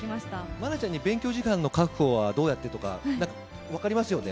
愛菜ちゃんに勉強時間の確保はどうやってとか、分かりますよね。